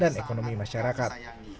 dan ekonomi masyarakat